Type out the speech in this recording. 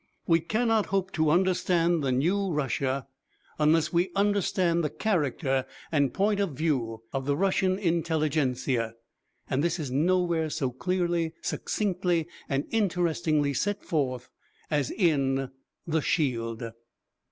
We cannot hope to understand the new Russia unless we understand the character and point of view of the Russian "intellegentsia," and this is nowhere so clearly, succinctly and interestingly set forth as in "The Shield."